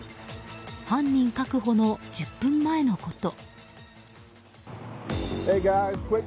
犯人確保の１０分前のこと。